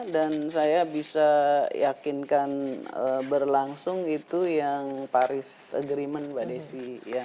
dan saya bisa yakinkan berlangsung itu yang paris agreement mbak desi